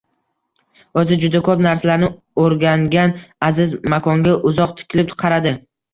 O‘zi juda ko‘p narsalarni o‘rgangan aziz makonga uzoq tikilib qaradi.